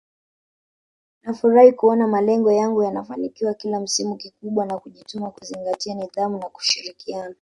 Nafurahi kuona malengo yangu yanafanikiwa kila msimu kikubwa ni kujituma kuzingatia nidhamu na kushirikiana